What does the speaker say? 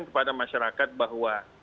kepada masyarakat bahwa